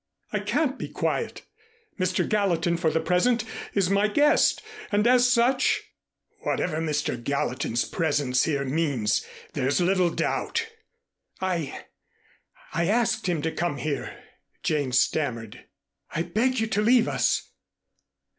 "I can't be quiet. Mr. Gallatin for the present is my guest and as such " "Whatever Mr. Gallatin's presence here means, there's little doubt " "I I asked him to come here," Jane stammered. "I beg you to leave us."